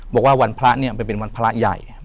บอกว่าวันพระเนี่ยมันเป็นวันพระใหญ่